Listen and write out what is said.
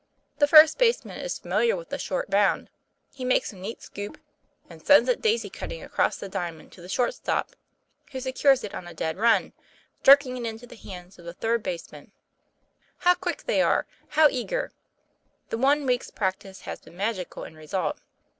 The first baseman is familiar with the short bound; he makes a neat scoop, then sends it daisy cutting across the diamond to the short stop, who secures it on a dead run, jerking it into the hands of the third baseman. How quick they are! how eager! The one week's practice has been magical in result.